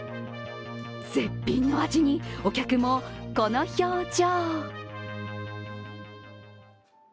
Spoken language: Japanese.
絶品の味にお客もこの表情。